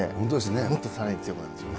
もっとさらに強くなるんですよね。